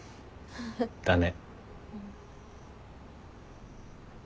だね。